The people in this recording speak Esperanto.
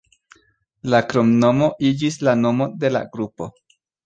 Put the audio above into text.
La kromnomo iĝis la nomon de la grupo.